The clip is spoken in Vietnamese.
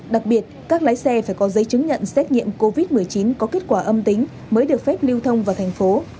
đặc biệt các lái xe phải có giấy chứng nhận xét nghiệm covid một mươi chín có kết quả âm tính mới được phép lưu thông vào thành phố